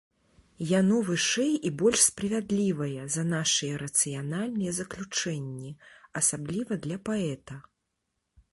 Яно вышэй і больш справядлівае за нашыя рацыянальныя заключэнні, асабліва для паэта.